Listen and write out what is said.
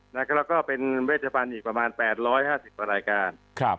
แล้วก็เป็นเวชบันอีกประมาณ๘๕๐รายการ